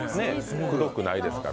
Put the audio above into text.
くどくないですから。